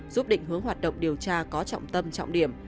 giúp định hướng hoạt động điều tra có trọng tâm trọng điểm